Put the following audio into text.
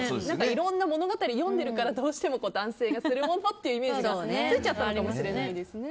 いろんな物語を読んでるからどうしても男性がするものってイメージがついちゃったのかもしれないですね。